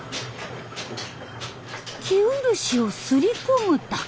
生漆を擦り込むだけ。